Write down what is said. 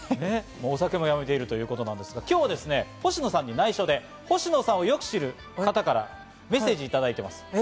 お酒もやめてるっていうことなんですが、今日は星野さんに内緒で星野さんをよく知るという方からメッセージをいただいています。